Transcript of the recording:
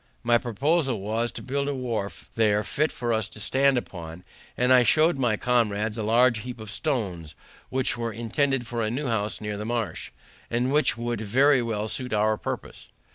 My proposal was to build a wharf there fit for us to stand upon, and I showed my comrades a large heap of stones, which were intended for a new house near the marsh, and which would very well suit our purpose.